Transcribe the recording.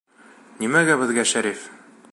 Нимәгә беҙгә Шәриф?